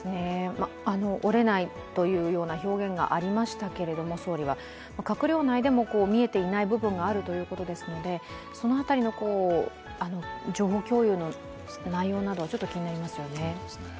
折れないというような表現がありましたけど、総理は閣僚内でも見えていない部分があるということですのでその辺りの情報共有の内容など、ちょっと気になりますよね。